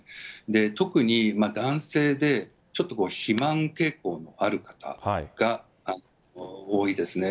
特に男性で、ちょっと肥満傾向にある方が多いですね。